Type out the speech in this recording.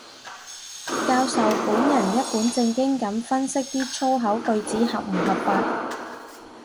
教授本人一本正經噉分析啲粗口句子合唔合句法